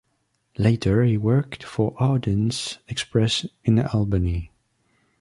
Later he worked for Harnden's Express in Albany.